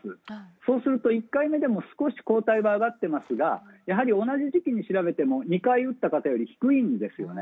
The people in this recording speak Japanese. そうすると１回目でも少し抗体が上がっていますが同じ時期に調べても２回打った方よりも低いんですよね。